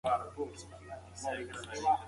کتاب د پوهې رڼا ده چې د ژوند لارښود کوي.